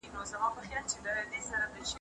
آیا هر څوک کولای سي په کور کي مطالعه وکړي؟